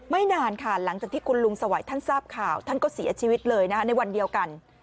นานค่ะหลังจากที่คุณลุงสวัยท่านทราบข่าวท่านก็เสียชีวิตเลยนะในวันเดียวกัน